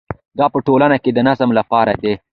دا په ټولنه کې د نظم لپاره دی.